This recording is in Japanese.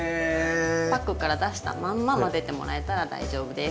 パックから出したまんま混ぜてもらえたら大丈夫です。